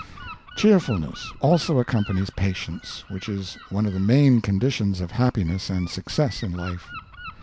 523 Cheerfulness also accompanies patience, which is one of the main conditions of happiness and success in life.